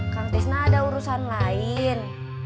kang tisna ada urusan lain